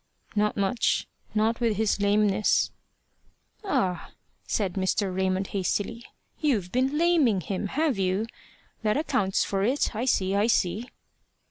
"Not much, not with his lameness" "Ah!" said Mr. Raymond, hastily "you've been laming him have you? That accounts for it. I see, I see."